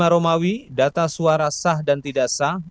lima romawi data suara sah dan tidak sah